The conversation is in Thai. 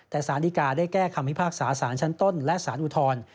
แต่สารดีกาได้แก้คำพิพากษาสารชั้นต้นและสารอุทธรณ์